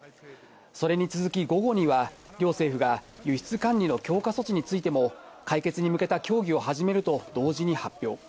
それに続き、午後には、両政府が輸出管理の強化措置についても、解決に向けた協議を始めると、同時に発表。